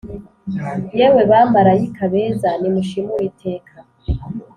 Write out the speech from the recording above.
yewe bamarayika beza nimushime uwiteka